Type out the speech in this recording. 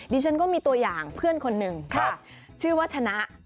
ดิฉันก็มีตัวยางเพื่อนนึงชื่อชนะ